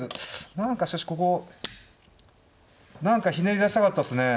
何かしかしここ何かひねり出したかったですね。